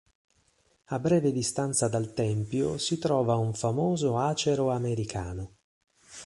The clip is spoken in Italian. A breve distanza dal tempio si trova un famoso acero americano.